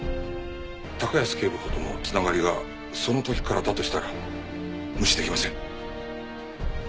高安警部補との繋がりがその時からだとしたら無視できません。